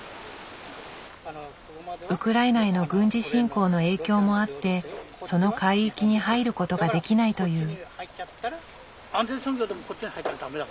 ウクライナへの軍事侵攻の影響もあってその海域に入ることができないという。